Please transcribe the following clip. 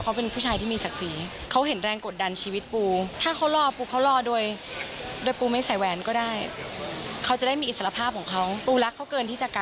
ส่วนคราวที่เมฆขอแต่งงานปูปรายยาก็ตอบแบบไม่อยากจะกันไว้แล้วค่ะ